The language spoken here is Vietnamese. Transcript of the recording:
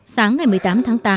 sáng ngày một mươi tám tháng tám